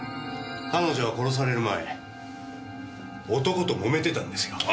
彼女は殺される前男と揉めてたんですよ。